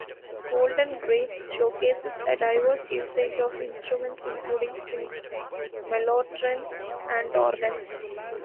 "Golden Greats" showcases a diverse usage of instruments including strings, mellotron and organs.